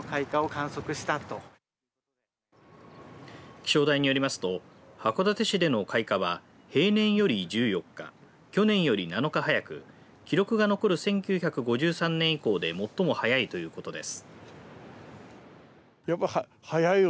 気象台によりますと函館市での開花は平年より１４日去年より７日早く記録が残る１９５３年以降で最も早いということです。